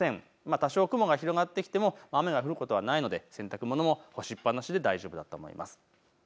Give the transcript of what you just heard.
多少雲が広がってきても雨が降ることはないので洗濯物も干しっぱなしで大丈夫だと思います。